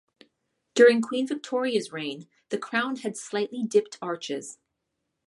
During Queen Victoria's reign, the crown had slightly dipped arches.